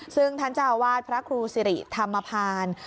ซึ่งท่านเจ้าอาวาสพระครูสิริธรรมภาร